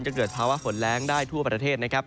เกิดภาวะฝนแรงได้ทั่วประเทศนะครับ